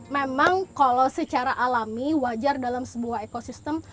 memang kalau secara alami wajar dalam sebuah ekosistem